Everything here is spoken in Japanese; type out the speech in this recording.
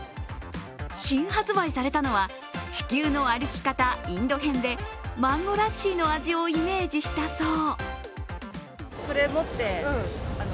新発売されたのは「地球の歩き方インド編」でマンゴーラッシーの味をイメージしたそう。